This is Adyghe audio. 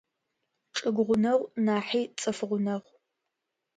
Чӏыгу гъунэгъу нахьи цӏыф гъунэгъу.